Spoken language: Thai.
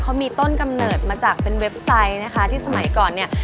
เขามีต้นกำเนิดมาจากเป็นเว็บไซต์นะคะที่สมัยก่อนเนี่ย